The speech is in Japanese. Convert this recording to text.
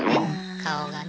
顔がね。